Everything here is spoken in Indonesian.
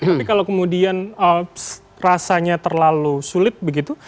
tapi kalau kemudian rasanya terlalu sulit begitu